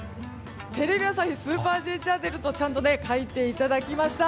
「テレビ朝日スーパーＪチャンネル」と書いていただきました。